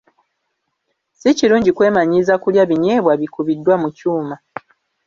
Si kirungi kwemanyiiza kulya binyeebwa bikubiddwa mu kyuma.